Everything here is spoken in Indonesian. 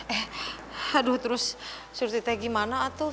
eh aduh terus surti teh gimana atuh